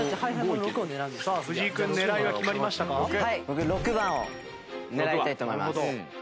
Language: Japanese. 僕６番を狙いたいと思います。